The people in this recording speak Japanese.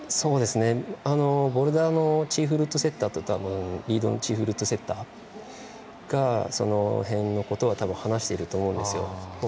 ボルダーのチーフルートセッターの方とリードのチーフルートセッターがその辺のことを多分、話してると思うんですよ。